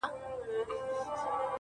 لا به تر کله دا لمبې بلېږي؛